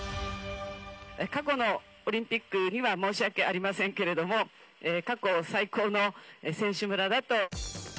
過去のオリンピックには申し訳ありませんけれども、過去最高の選手村だと。